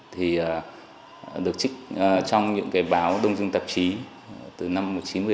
thì được trích trong những báo đông dương tạp chí từ năm một nghìn chín trăm một mươi ba một nghìn chín trăm một mươi bốn